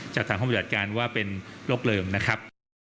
จากทางห้องปฏิบัติการว่าเป็นโรคเลิมนะครับ